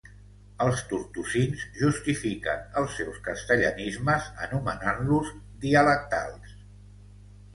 Els tortosins justifiquen els seus castellanismes anomenant-los "dialectals".